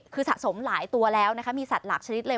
คือสะสมหลายตัวแล้วนะคะมีสัตว์หลักชนิดเลย